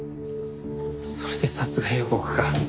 それで殺害予告か。